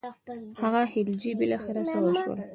هغه خلجي بالاخره څه شول.